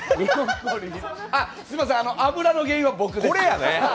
すいません、油の原因は僕です。